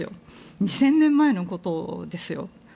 ２０００年前のことですよ。